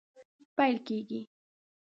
پیل کیږي